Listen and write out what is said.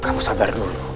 kamu sabar dulu